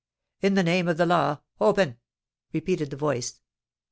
"In the name of the law, open!" repeated the voice.